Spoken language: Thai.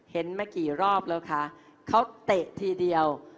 เห็นมากี่รอบแล้วคะเขาเตะทีเดียว